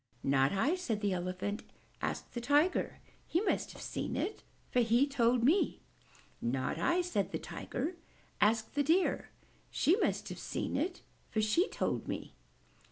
"Not I," said the Elephant. "Ask the Tiger. He must have seen it, for he told me!" "Not I," said the Tiger. "Ask the Deer! She must have seen it, for she told me!"